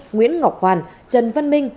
nguyễn ngọc hoàn trần văn minh